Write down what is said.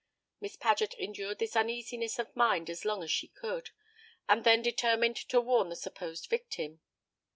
Miss Paget endured this uneasiness of mind as long as she could, and then determined to warn the supposed victim.